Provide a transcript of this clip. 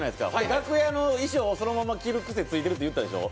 楽屋の衣装をそのまま着る癖ついてるって言うたでしょう。